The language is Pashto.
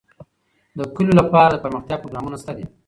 د کلیو لپاره دپرمختیا پروګرامونه شته دي.